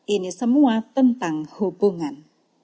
ini semua tentang hubungan